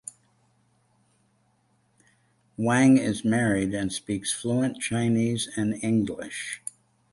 Wang is married and speaks fluent Chinese and English.